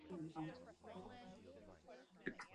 Katrina Halili played the role.